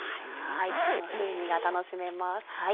この風味が楽しめます。